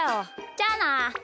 じゃあな！